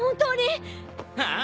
ああ。